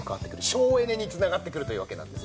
省エネに繋がってくるというわけなんですね。